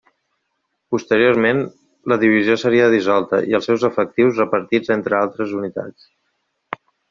Posteriorment, la divisió seria dissolta i els seus efectius repartits entre altres unitats.